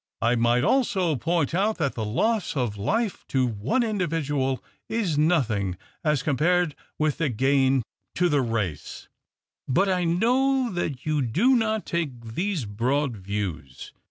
I might also point out that the loss of life to one individual is nothing, as compared with the gain to the race — but I know that you do not take these broad views.